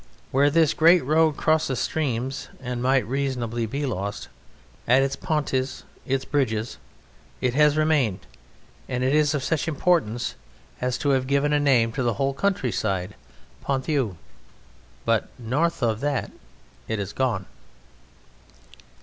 Where this great road crosses streams and might reasonably be lost, at its pontes, its bridges, it has remained, and is of such importance as to have given a name to a whole countryside Ponthieu. But north of that it is gone.